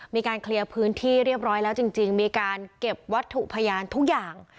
มีการเคลียร์พื้นที่เรียบร้อยแล้วจริงมีการเก็บวัตถุพยานทุกอย่าง